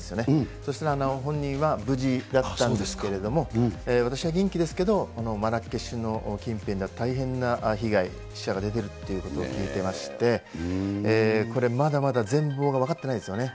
そうしたら本人は無事だったんですけれども、私は元気ですけど、マラケシュの近辺では大変な被害、死者が出てるということを聞いていまして、これ、まだまだ全貌が分かってないですよね。